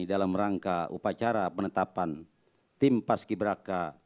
dalam rangka upacara penetapan tim pas ki braka